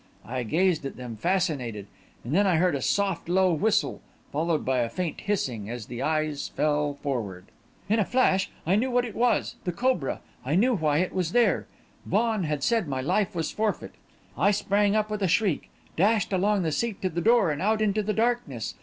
I gazed at them, fascinated, and then I heard a soft, low whistle, followed by a faint hissing, as the eyes fell forward. "In a flash, I knew what it was the cobra; I knew why it was there Vaughan had said my life was forfeit. I sprang up with a shriek, dashed along the seat to the door and out into the darkness.